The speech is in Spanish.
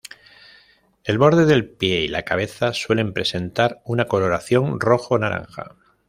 El borde del pie y la cabeza suele presentar una coloración rojo-naranja.